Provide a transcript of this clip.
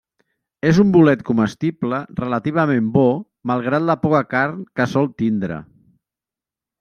És un bolet comestible relativament bo, malgrat la poca carn que sol tindre.